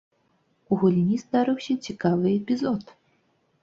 У гульні здарыўся цікавы эпізод.